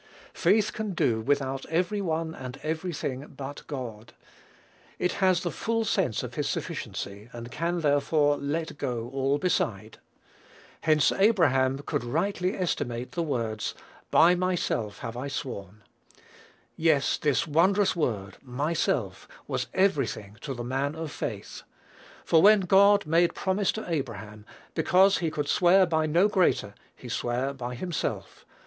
Faith can do without every one and every thing but God. It has the full sense of his sufficiency, and can, therefore, let go all beside. Hence Abraham could rightly estimate the words, "by myself have I sworn." Yes, this wondrous word, "myself," was every thing to the man of faith. "For when God made promise to Abraham, because he could swear by no greater, he sware by himself....